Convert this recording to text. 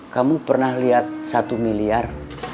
kamu pernah lihat satu miliar